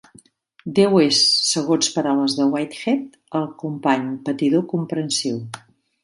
Déu és, segons paraules de Whitehead, "el company patidor comprensiu".